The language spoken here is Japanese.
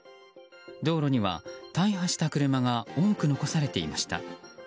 道路には大破した車が多く残されていました。